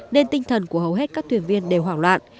nên tinh thần của hầu hết các thuyền viên đều hoảng loạn